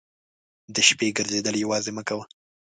د شپې ګرځېدل یوازې مه کوه.